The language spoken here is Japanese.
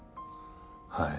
はい。